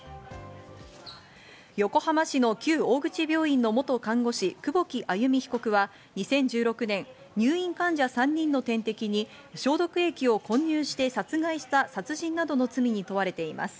横浜市の旧大口病院の元看護士、久保木愛弓被告は２０１６年、入院患者３人の点滴に消毒液を購入して殺害した殺人などの罪に問われています。